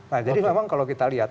nah jadi memang kalau kita lihat